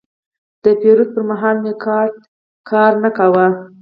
د پیرود پر مهال مې کارت کار نه کاوه.